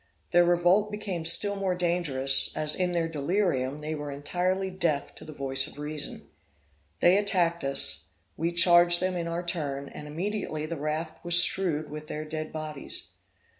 Their revolt became still more dangerous, as, in their delirium, they were entirely deaf to the voice of reason. They attacked us, we charged them in our turn, and immediately the raft was strewed with their dead bodies.